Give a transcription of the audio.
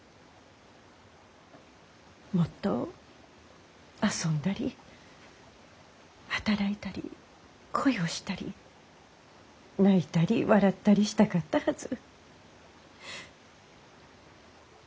もっと遊んだり働いたり恋をしたり泣いたり笑ったりしたかったはず。